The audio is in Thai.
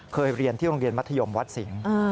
เรียนที่โรงเรียนมัธยมวัดสิงศ์